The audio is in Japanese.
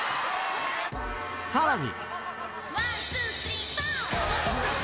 さらに！